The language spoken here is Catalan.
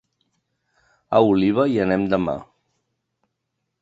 A Oliva hi anem demà.